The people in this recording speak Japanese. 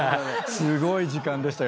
すごい時間でしたよ